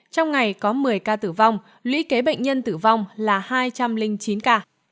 trong ngày có một mươi ca tử vong lũy kế bệnh nhân tử vong là hai trăm linh chín ca